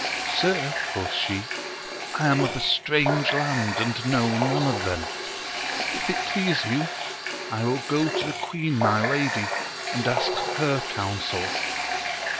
Sir, quoth she, I am of a strange land, and know none of them : if it please you, I will go to the queen my lady and ask her counsel.